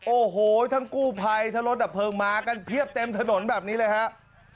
โอ้โหทั้งกู้ภัยทั้งรถดับเพลิงมากันเพียบเต็มถนนแบบนี้เลยครับ